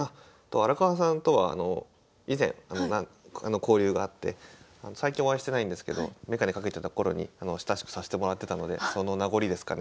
荒川さんとは以前交流があって最近お会いしてないんですけど眼鏡かけてた頃に親しくさせてもらってたのでその名残ですかね。